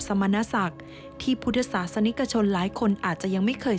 สรรมรสรรคที่พุทธอสาธานิกชนหลายคนอาจจะยังไม่เคย